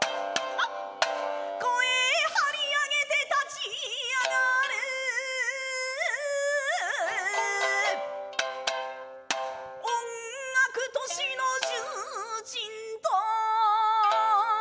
「声張り上げて立ち上がる」「音楽都市の重鎮と」